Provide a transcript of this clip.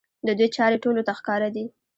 د دوی چارې ټولو ته ښکاره دي.